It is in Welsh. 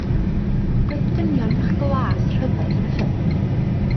Roedd dynion bach glas rhyfedd yn y ffilm.